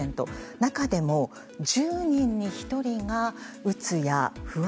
中でも、１０人に１人がうつや不安